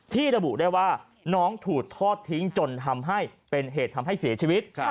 ระบุได้ว่าน้องถูกทอดทิ้งจนทำให้เป็นเหตุทำให้เสียชีวิต